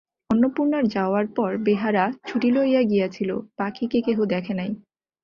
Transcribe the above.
অন্নপূর্ণার যাওয়ার পর বেহারা ছুটি লইয়া গিয়াছিল, পাখিকে কেহ দেখে নাই।